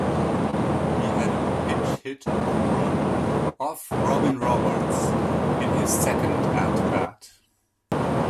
He had a pinch-hit home run off Robin Roberts in his second at bat.